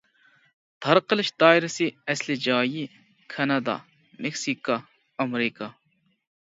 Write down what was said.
تارقىلىش دائىرىسى ئەسلى جايى: كانادا، مېكسىكا، ئامېرىكا.